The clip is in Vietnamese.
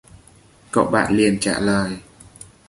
Cậu bạn liền trả lời